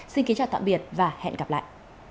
xin kính chào tạm biệt và hẹn gặp lại